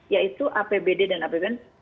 yaitu apbd dan apbn